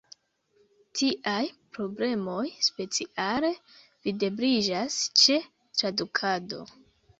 Tiaj problemoj speciale videbliĝas ĉe tradukado.